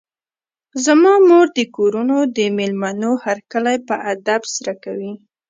زما مور د کورونو د مېلمنو هرکلی په ادب سره کوي.